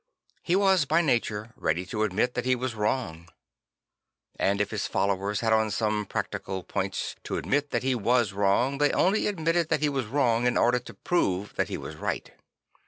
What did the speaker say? He was by nature ready to admit that he was wrong; and if his followers had on some practical points to admit that he was wrong, they only admitted that he was wrong in order to prove that he was right.